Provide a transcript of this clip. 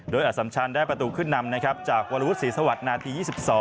โดยอสัมชันได้ประตูขึ้นนำนะครับจากวรวุฒิศรีสวัสดิ์นาที๒๒